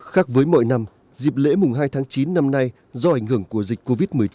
khác với mọi năm dịp lễ mùng hai tháng chín năm nay do ảnh hưởng của dịch covid một mươi chín